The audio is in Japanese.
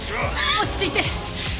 落ち着いて！